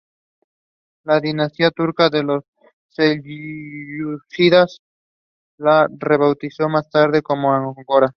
La dinastía turca de los selyúcidas la rebautizó más tarde como Angora.